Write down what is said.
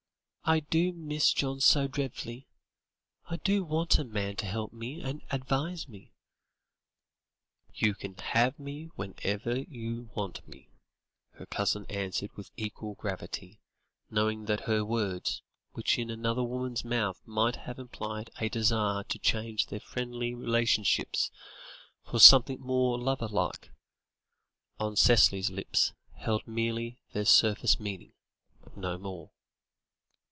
"I do miss John so dreadfully; I do want a man to help me and advise me." "You can have me whenever you want me," her cousin answered with equal gravity, knowing that her words, which in another woman's mouth might have implied a desire to change their friendly relations for something more lover like, on Cicely's lips held merely their surface meaning no more.